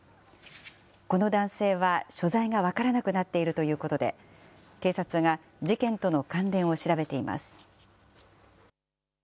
この男性は所在が分からなくなっているということで、警察が事件との関連を調べています。